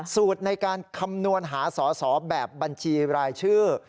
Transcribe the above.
สูตรในการคำนวณหาสอสอแบบบัญชีรายชื่อ